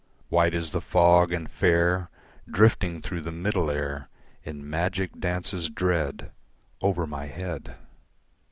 White as the fog and fair Drifting through the middle air In magic dances dread Over my head.